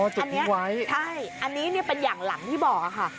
อันนี้ไว้ใช่อันนี้เป็นอย่างหลังที่บอกค่ะ